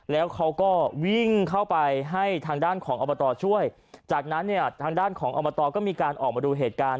แล้วเขาก็วิ่งเข้าไปให้ทางด้านของอบตช่วยจากนั้นเนี่ยทางด้านของอบตก็มีการออกมาดูเหตุการณ์